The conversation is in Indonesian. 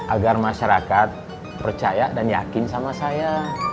agar masyarakat percaya dan yakin sama saya